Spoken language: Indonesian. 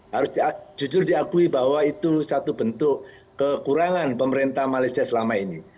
harus jujur diakui bahwa itu satu bentuk kekurangan pemerintah malaysia selama ini